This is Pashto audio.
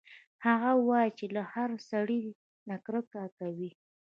هغه وايي چې له هر سړي نه کرکه کوي